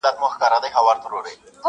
ما جوړ كړي په قلاوو كي غارونه،